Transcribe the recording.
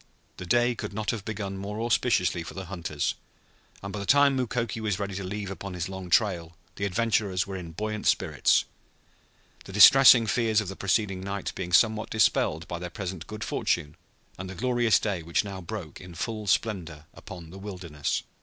The day could not have begun more auspiciously for the hunters, and by the time Mukoki was ready to leave upon his long trail the adventurers were in buoyant spirits, the distressing fears of the preceding night being somewhat dispelled by their present good fortune and the glorious day which now broke in full splendor upon the wilderness.